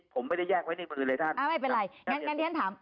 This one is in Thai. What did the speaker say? ผมไม่ได้แยกไว้ในมือเลยท่านอ่าไม่เป็นไรงั้นงั้นที่ฉันถาม